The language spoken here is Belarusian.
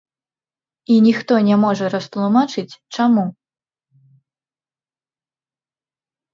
І ніхто не можа растлумачыць, чаму.